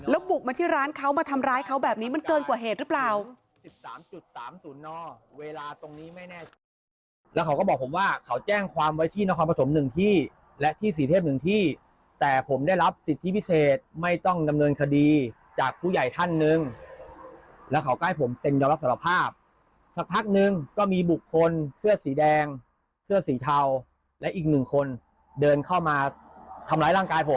แล้วบุกมาที่ร้านเขามาทำร้ายเขาแบบนี้มันเกินกว่าเหตุหรือเปล่า